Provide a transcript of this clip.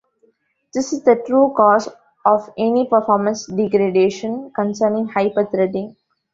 This is the true cause of any performance degradation concerning hyper-threading.